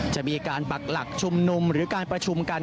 จะมีการปักหลักชุมนุมหรือการประชุมกัน